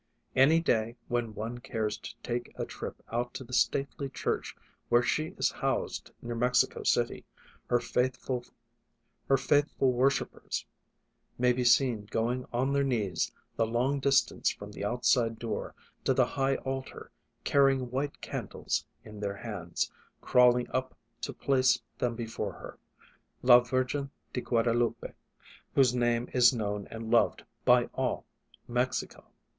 Any day when one cares to take a trip out to the stately church where she is housed near Mexico City, her faithful worshippers may be seen going on their knees the long distance from the outside door to the high altar carrying white candles in their hands, crawling up to place them before her — La Virgen de Guadalupe — whose name is known and loved by all Mexico.